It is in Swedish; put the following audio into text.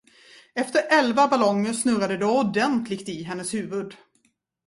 Efter elva ballonger snurrade det ordentligt i hennes huvud.